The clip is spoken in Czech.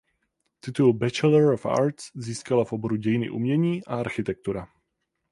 Titul Bachelor of Arts získala v oboru dějiny umění a architektura.